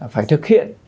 phải thực hiện